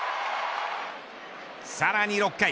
さらに６回。